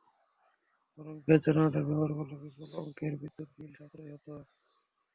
বরং gas generator ব্যবহার করলে বিপুল অঙ্কের বিদ্যুৎ বিল সাশ্রয় হতো।